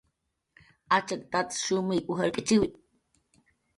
Achak tats shumay ujar k'ichiwi